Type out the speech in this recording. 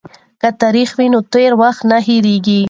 که تاریخ وي نو تیر وخت نه هیریږي.